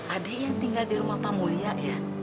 adik yang tinggal di rumah pak mulia ya